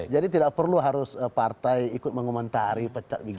jadi tidak perlu harus partai ikut mengomentari pecah gigi